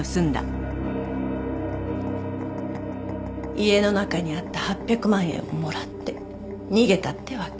家の中にあった８００万円をもらって逃げたってわけ。